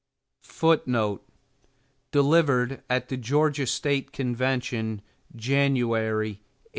FOOTNOTE: Delivered at the Georgia State Convention, January, 1861.